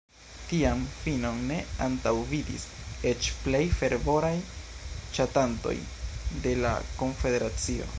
Tian finon ne antaŭvidis eĉ plej fervoraj ŝatantoj de la konfederacio.